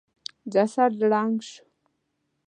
جسد ړنګ شو.